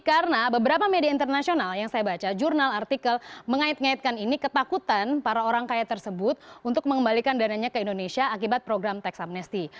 karena beberapa media internasional yang saya baca jurnal artikel mengait ngaitkan ini ketakutan para orang kaya tersebut untuk mengembalikan dananya ke indonesia akibat program tax amnesty